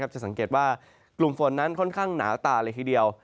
จะสังเกตว่ากลุ่มฝนนั้นค่อนข้างหนาวตาเลยทีเดียว